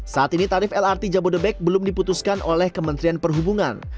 saat ini tarif lrt jabodebek belum diputuskan oleh kementerian perhubungan